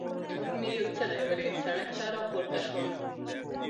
مې یو څلی ولید، سړک ته را پورته شوم.